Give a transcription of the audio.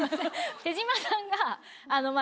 手島さんが。